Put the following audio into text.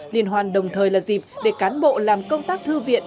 liên hoan đồng thời là dịp để cán bộ làm công tác thư viện